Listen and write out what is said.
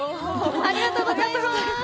ありがとうございます！